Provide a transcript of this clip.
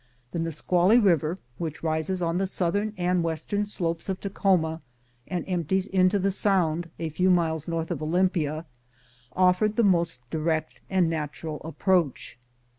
The Nisqually River, which rises on the southern and western slopes of Takhoma, and empties into the sound a few miles north of Olympia, offered the most direct and natural approach.